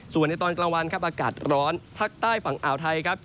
ส่วนในตอนกลางวันครับอากาศร้อนภาคใต้ฝั่งอ่าวไทยครับ